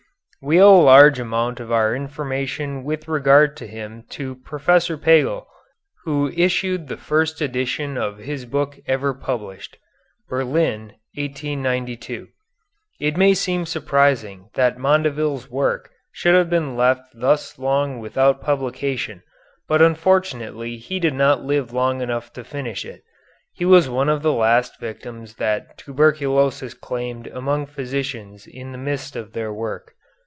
We owe a large amount of our information with regard to him to Professor Pagel, who issued the first edition of his book ever published (Berlin, 1892). It may seem surprising that Mondeville's work should have been left thus long without publication, but unfortunately he did not live long enough to finish it. He was one of the victims that tuberculosis claimed among physicians in the midst of their work.